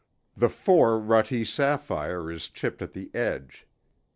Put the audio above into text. The four rutte sapphire is chipped at the edge.